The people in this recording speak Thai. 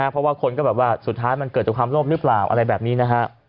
เพราะว่าคนก็แบบว่าสุดท้ายมันเกิดจากความโลภหรือเปล่าอะไรแบบนี้นะฮะ